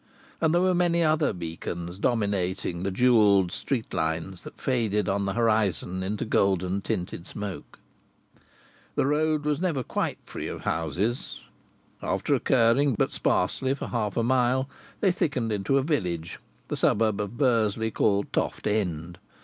And there were many other beacons, dominating the jewelled street lines that faded on the horizon into golden tinted smoke. The road was never quite free of houses. After occurring but sparsely for half a mile, they thickened into a village the suburb of Bursley called Toft End.